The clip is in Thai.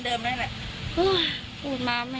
เกิดว่าจะต้องมาตั้งโรงพยาบาลสนามตรงนี้